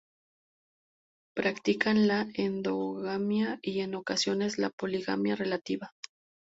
Practican la endogamia y en ocasiones la poligamia relativa.